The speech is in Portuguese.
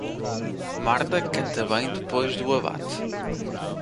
Marta canta bem depois do abate.